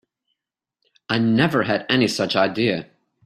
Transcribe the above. I never had any such idea.